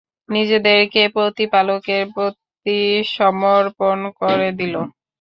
নিজেদেরকে প্রতিপালকের প্রতি সমর্পণ করে দিল।